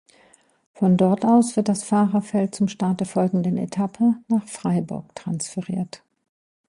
Von dort aus wird das Fahrerfeld zum Start der folgenden Etappe nach Freiburg transferiert.